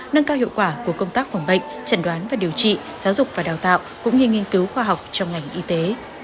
nâng cao hiệu quả của công tác phòng bệnh chẩn đoán và điều trị giáo dục và đào tạo cũng như nghiên cứu khoa học trong ngành y tế